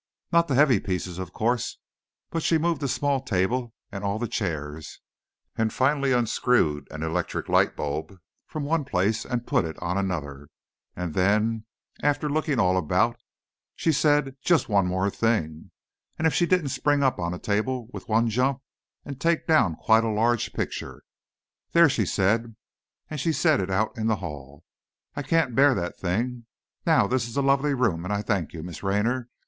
Not the heavy pieces, of course, but she moved a small table and all the chairs, and finally unscrewed an electric light bulb from one place and put it on another, and then, after looking all about, she said, 'Just one thing more!' and if she didn't spring up on to a table with one jump and take down quite a large picture! 'There,' she said, and she set it out in the hall; 'I can't bear that thing! Now this is a lovely room, and I thank you, Miss Raynor.